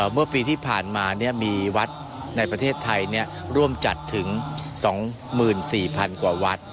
เมื่อปีที่ผ่านมามีวัดในประเทศไทยร่วมจัดถึง๒๔๐๐๐กว่าวัด